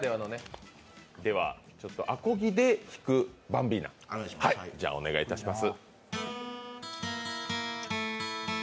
アコギで弾く「バンビーナ」お願いいたします。